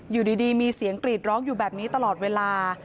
อยู่ดีมีเสียงกรีดร้องอยู่แบบนี้ตลอดเวลา